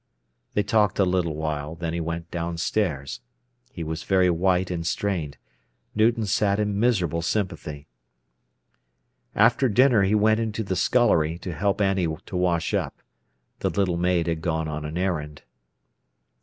They talked a little while, then he went downstairs. He was very white and strained. Newton sat in miserable sympathy. After dinner he went into the scullery to help Annie to wash up. The little maid had gone on an errand.